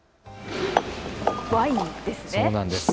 ワインですね。